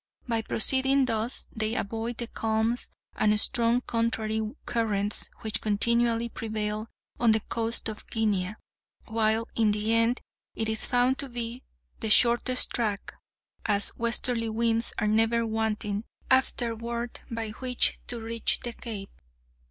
By proceeding thus they avoid the calms and strong contrary currents which continually prevail on the coast of Guinea, while, in the end, it is found to be the shortest track, as westerly winds are never wanting afterward by which to reach the Cape.